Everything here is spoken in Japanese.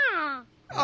あ